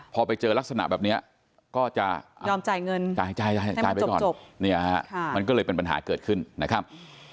พอไปเจอลักษณะแบบนี้ก็จะยอมจ่ายเงินจ่ายไปก่อนเนี่ยฮะมันก็เลยเป็นปัญหาเกิดขึ้นนะครับ